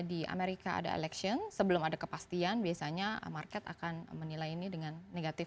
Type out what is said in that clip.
di amerika ada election sebelum ada kepastian biasanya market akan menilai ini dengan negatif